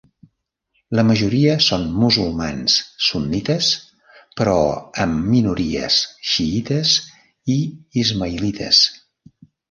La majoria són musulmans sunnites però amb minories xiïtes i ismaïlites.